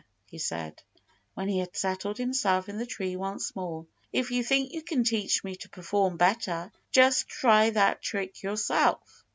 he said, when he had settled himself in the tree once more. "If you think you can teach me to perform better, just try that trick yourself!"